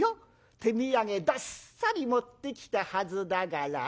手土産どっさり持ってきたはずだからね。